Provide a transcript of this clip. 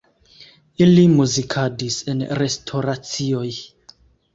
Ili muzikadis en restoracioj.